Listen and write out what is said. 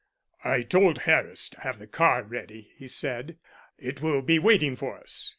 "I told Harris to have the car ready," he said. "It will be waiting for us."